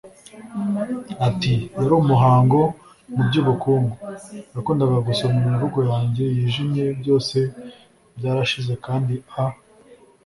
ati yari umuhanga mu by'ubukungu, yakundaga gusoma imivugo yanjye yijimye. byose byarashize kandi a